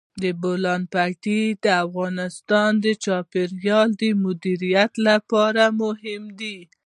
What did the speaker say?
د بولان پټي د افغانستان د چاپیریال د مدیریت لپاره مهم دي.